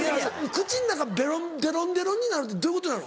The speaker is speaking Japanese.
口ん中デロンデロンになるってどういうことなの？